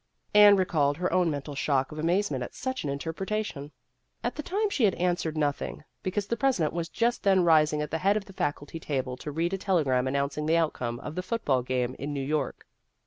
Anne recalled her own mental shock of amazement at such an interpretation. At the time she had answered nothing, be cause the president was just then rising at the head of the faculty table to read a telegram announcing the outcome of the football game in New York.